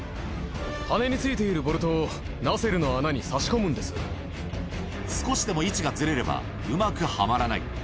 羽根についているボルトを、少しでも位置がずれれば、うまくはまらない。